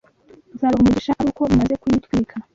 Nzabaha umugisha ari uko mumaze kuyitwika